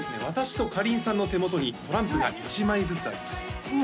私とかりんさんの手元にトランプが１枚ずつあります